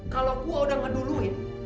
kalau gue udah ngeduluin